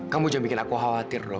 kamu jangan bikin aku khawatir loh